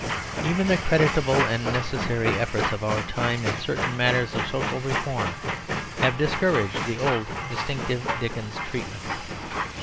Even the creditable and necessary efforts of our time in certain matters of social reform have discouraged the old distinctive Dickens treatment.